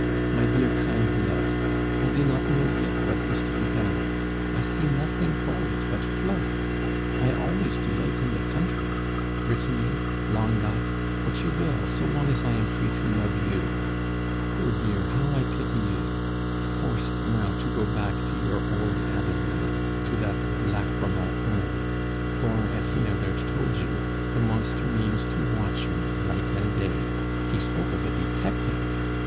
"My dear kind love, I do not know yet what is to be done. I see nothing for it but flight. I always delight in the country Brittany, Languedoc, what you will, so long as I am free to love you. Poor dear, how I pity you! Forced now to go back to your old Adeline, to that lachrymal urn for, as he no doubt told you, the monster means to watch me night and day; he spoke of a detective!